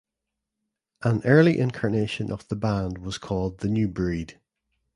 An early incarnation of the band was called the New Breed.